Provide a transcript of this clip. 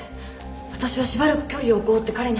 私はしばらく距離を置こうって彼に。